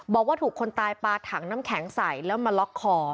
บอกว่าถูกคนตายปลาถังน้ำแข็งใส่แล้วมาล็อกคอ